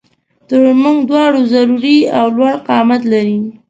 تر مونږ دواړو ضروري او لوړ قامت لري